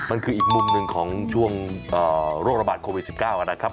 มันคืออีกมุมหนึ่งของช่วงโรคระบาดโควิด๑๙นะครับ